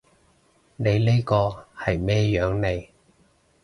你呢個係咩樣嚟？